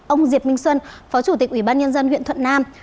ông diệp minh xuân phó chủ tịch ủy ban nhân dân huyện thuận nam